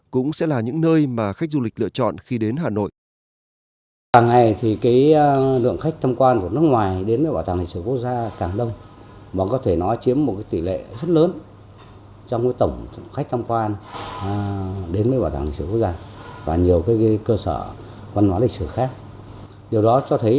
cũng sẽ là những nơi mà khách du lịch lựa chọn khi đến hà nội